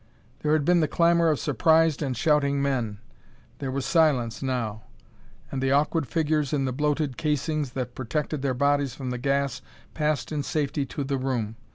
There had been the clamor of surprised and shouting men: there was silence now. And the awkward figures in the bloated casings that protected their bodies from the gas passed in safety to the room.